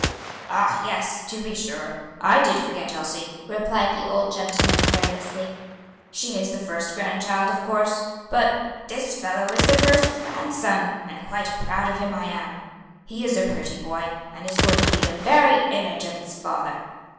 "Ah, yes! to be sure, I did forget Elsie," replied the old gentleman carelessly; "she is the first grandchild of course; but this fellow is the first grandson, and quite proud of him I am. He is a pretty boy, and is going to be the very image of his father."